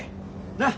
なっ！